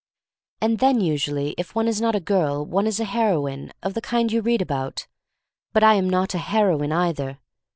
And then, usually, if one is not a girl one is a heroine — of the kind you read about. But I am not a heroine, either.